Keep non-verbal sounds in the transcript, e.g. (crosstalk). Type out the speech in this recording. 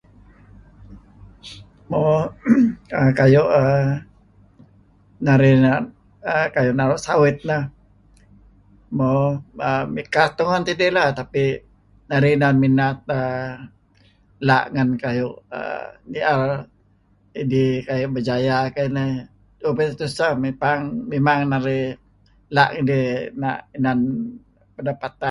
Mo (coughs) kayu' err narih err naru' sawit lah, mo err mikat tungen tidih lah tapi narih inan minat err la' ngan kayu' err ni'er idih kayu' berjaya kayu' inah . Tu'uh pidih tuseh memang narih la' ngidih inan pendepatan.